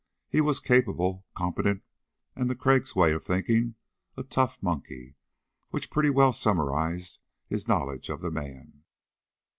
He was capable, competent, and to Crag's way of thinking, a tough monkey, which pretty well summarized his knowledge of the man.